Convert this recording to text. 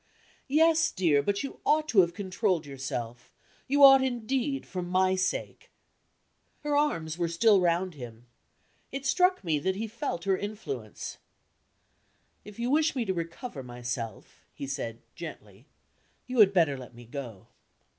"Yes, dear; but you ought to have controlled yourself you ought, indeed, for my sake." Her arms were still round him. It struck me that he felt her influence. "If you wish me to recover myself," he said, gently, "you had better let me go."